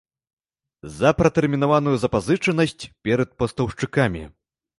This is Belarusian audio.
За пратэрмінаваную запазычанасць перад пастаўшчыкамі.